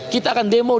kita akan demo demo